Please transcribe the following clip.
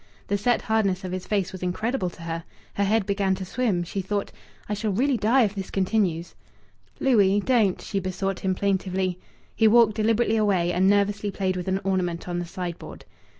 The set hardness of his face was incredible to her. Her head began to swim. She thought, "I shall really die if this continues." "Louis don't!" she besought him plaintively. He walked deliberately away and nervously played with an "ornament" on the sideboard.